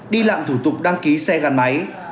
đi lạm thủ tục đăng ký xe gắn máy